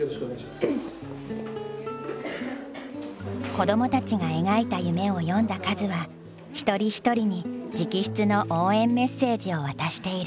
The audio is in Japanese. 子どもたちが描いた夢を読んだカズは一人一人に直筆の応援メッセージを渡している。